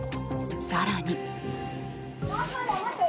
更に。